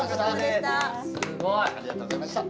すごい。ありがとうございました。